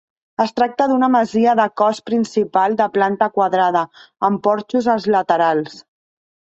Es tracta d'una masia de cos principal de planta quadrada, amb porxos als laterals.